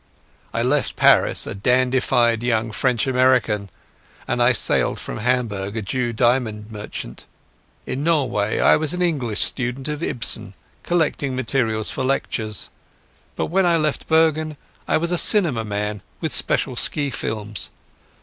I left Paris a dandified young French American, and I sailed from Hamburg a Jew diamond merchant. In Norway I was an English student of Ibsen collecting materials for lectures, but when I left Bergen I was a cinema man with special ski films.